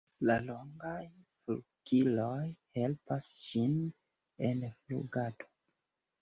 La longaj flugiloj helpas ĝin en flugado.